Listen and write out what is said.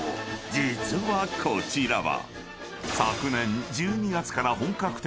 実はこちらは］